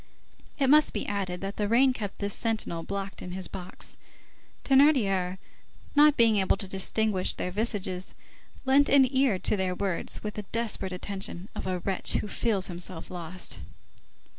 It must be added, that the rain kept this sentinel blocked in his box. Thénardier, not being able to distinguish their visages, lent an ear to their words with the desperate attention of a wretch who feels himself lost.